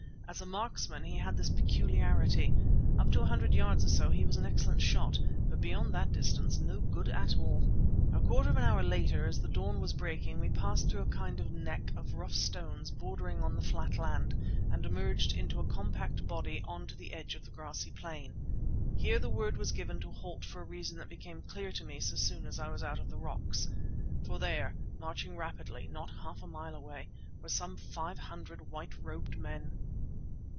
As a marksman he had this peculiarity: up to a hundred yards or so he was an excellent shot, but beyond that distance no good at all. A quarter of an hour later, as the dawn was breaking, we passed through a kind of nek of rough stones bordering the flat land, and emerged into a compact body on to the edge of the grassy plain. Here the word was given to halt for a reason that became clear to me so soon as I was out of the rocks. For there, marching rapidly, not half a mile away, were some five hundred white robed men.